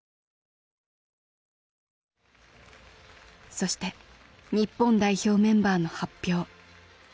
そして日本代表メンバーの発表。